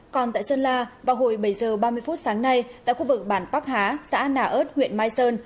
còn tại sơn la vào hồi bảy h ba mươi phút sáng nay tại khu vực bản bắc há xã nà ớt huyện mai sơn